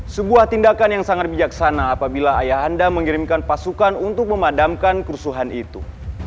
sebuah tindakan yang sangat bijaksana apabila ayah anda mengirimkan pasukan untuk memadamkan kerusuhan itu